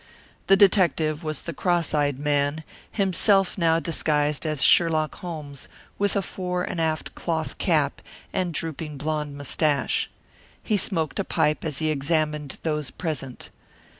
The detective was the cross eyed man, himself now disguised as Sherlock Holmes, with a fore and aft cloth cap and drooping blond mustache. He smoked a pipe as he examined those present.